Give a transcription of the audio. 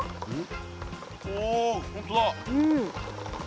おお本当だ。